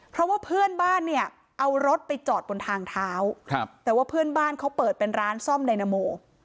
เพราะว่าเพื่อนบ้านเนี่ยเอารถไปจอดบนทางเท้าแต่ว่าเพื่อนบ้านเขาเปิดเป็นร้านซ่อมไดนาโม